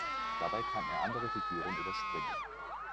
Dabei kann er andere Figuren überspringen.